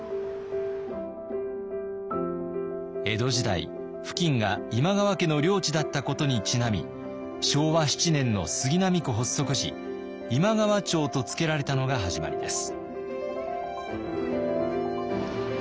江戸時代付近が今川家の領地だったことにちなみ昭和７年の杉並区発足時今川町と付けられたのが始まりです。